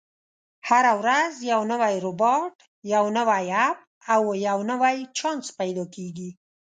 هره ورځ یو نوی روباټ، یو نوی اپ، او یو نوی چانس پیدا کېږي.